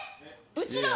うちらは？